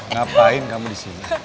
ngapain kamu disini